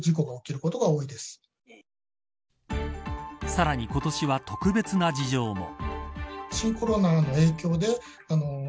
さらに今年は、特別な事情も。